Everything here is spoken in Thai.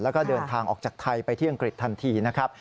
แล้วก็เดินทางออกจากไทยไปที่อังกฤษทันทีนะครับ